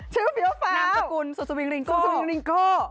ชื่อเฟี้ยวเฟ้านามสกุลสุสุวิงริงโกสุสุวิงริงโก